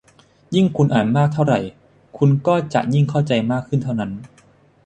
ยิ่งคุณอ่านมากเท่าไหร่คุณก็จะยิ่งเข้าใจมากขึ้นเท่านั้น